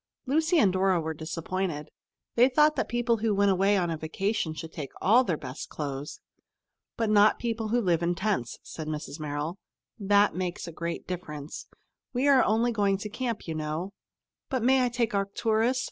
Lucy and Dora were disappointed. They thought that people who went away on a vacation should take all their best clothes. "But not people who live in tents," said Mrs. Merrill. "That makes a great difference. We are only going to camp, you know." "But I may take Arcturus?"